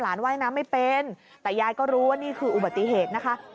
ว่ายน้ำไม่เป็นแต่ยายก็รู้ว่านี่คืออุบัติเหตุนะคะ